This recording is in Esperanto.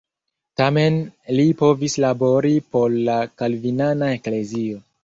Tamen li povis labori por la kalvinana eklezio.